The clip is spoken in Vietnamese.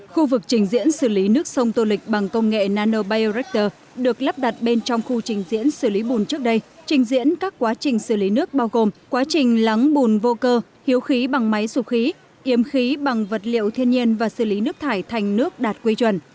khu vực trình diễn xử lý nước sông tô lịch bằng công nghệ nanobioreactor được lắp đặt bên trong khu trình diễn xử lý bùn trước đây trình diễn các quá trình xử lý nước bao gồm quá trình lắng bùn vô cơ hiếu khí bằng máy sụp khí yếm khí bằng vật liệu thiên nhiên và xử lý nước thải thành nước đạt quy chuẩn